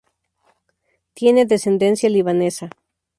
Tiene descendencia libanesa.